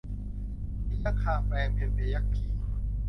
พยัคฆาแปลงเป็นพยัคฆี